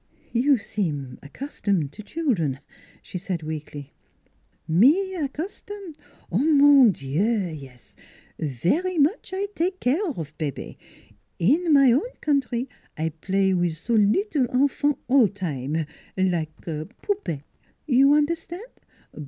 ' You seem accustomed to children," she said weakly. "Me accustom? Mon dieu yes! Vary much I take care of bebe. In my own countrie I play wiz so leetle enfants all times, like like poupees you un'erstan' ?